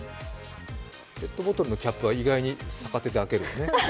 ペットボトルのキャップは意外に素手で開けるのね。